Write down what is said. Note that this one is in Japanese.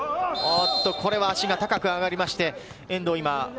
これは足が高く上がりまして遠藤、今。